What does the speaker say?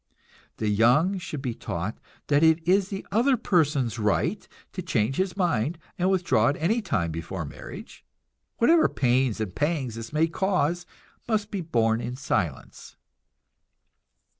The young should be taught that it is the other person's right to change his mind and withdraw at any time before marriage; whatever pains and pangs this may cause must be borne in silence.